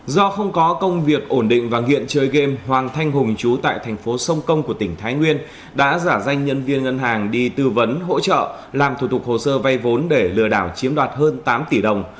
do không có công việc ổn định và nghiện chơi game hoàng thanh hùng chú tại thành phố sông công của tỉnh thái nguyên đã giả danh nhân viên ngân hàng đi tư vấn hỗ trợ làm thủ tục hồ sơ vay vốn để lừa đảo chiếm đoạt hơn tám tỷ đồng